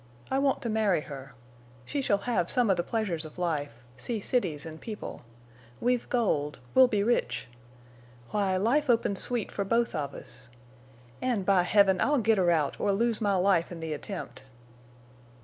I want to marry her. She shall have some of the pleasures of life—see cities and people. We've gold—we'll be rich. Why, life opens sweet for both of us. And, by Heaven! I'll get her out or lose my life in the attempt!"